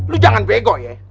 lo jangan bego ya